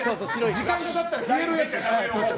時間かかったら消えるやつ。